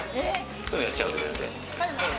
こういうのも、やっちゃうのよ、全然。